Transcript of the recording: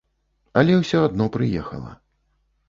Але ўсё адно прыехала.